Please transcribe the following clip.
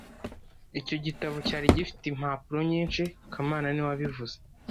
Icyo gitabo cyari gifite impapuro nyinshi kamana niwe wabivuze